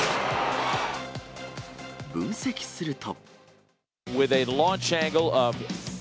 分析すると。